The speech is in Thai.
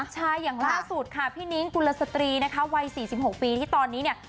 ใช่อย่างล่าสุดค่ะพี่นิ้งกุลสตรีนะคะวัย๔๖ปีที่ตอนนี้เนี่ย